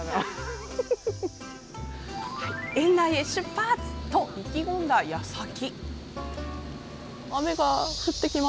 園内へ出発と意気込んだ矢先。